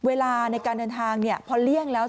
เวลาในการเดินทางพอเลี่ยงแล้ว